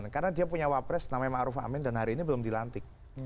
karena dia punya wapres namanya ma'ruf amin dan hari ini belum dilantik